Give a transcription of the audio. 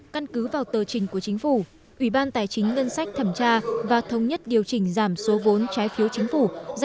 căn cứ vào tờ trình của chính phủ ủy ban tài chính ngân sách thẩm tra và thống nhất điều chỉnh giảm số vốn trái phiếu chính phủ